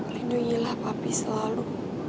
lindungilah papi selalu